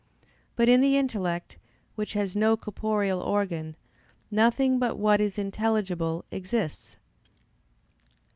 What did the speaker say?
But in the intellect, which has no corporeal organ, nothing but what is intelligible exists.